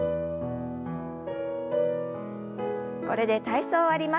これで体操を終わります。